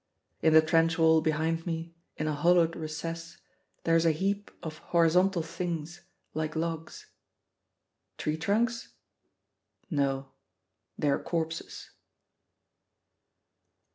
In the trench wall behind me, in a hollowed recess, there is a heap of horizontal things like logs. Tree trunks? No, they are corpses.